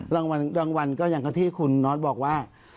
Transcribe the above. รางวัลก็อย่างที่คุณน็อตบอกว่า